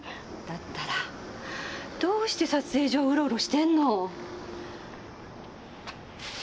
だったらどうして撮影所をうろうろしてんの？